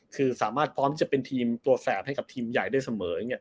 คือสามารถพร้อมที่จะเป็นทีมตัวแสบให้กับทีมใหญ่ได้เสมออย่างนี้